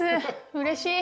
うれしい。